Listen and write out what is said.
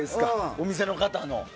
お店の方の。